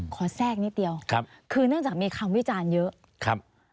แทรกนิดเดียวครับคือเนื่องจากมีคำวิจารณ์เยอะครับ